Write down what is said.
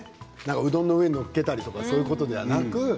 うどんの上に載っけたりそういうことではなく。